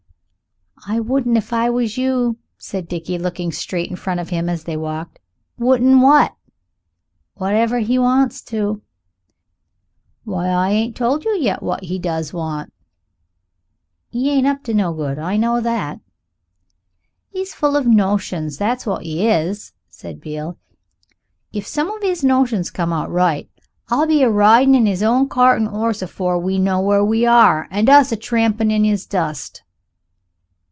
"I wouldn't if I was you," said Dickie, looking straight in front of him as they walked. "Wouldn't what?" "Whatever he wants to." "Why, I ain't told you yet what he does want." "'E ain't up to no good I know that." "'E's full of notions, that's wot 'e is," said Beale. "If some of 'is notions come out right 'e'll be a ridin' in 'is own cart and 'orse afore we know where we are and us a tramping in 'is dust."